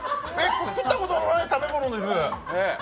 食ったことのない食べ物です。